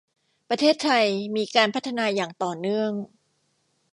ประเทศไทยมีการพัฒนาอย่างต่อเนื่อง